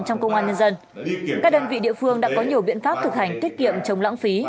trong công an nhân dân các đơn vị địa phương đã có nhiều biện pháp thực hành tiết kiệm chống lãng phí